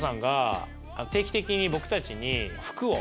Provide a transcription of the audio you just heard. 定期的に僕たちに。